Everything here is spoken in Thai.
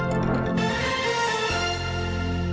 โปรดติดตามตอนต่อไป